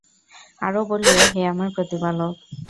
আরো বলিও, হে আমার প্রতিপালক!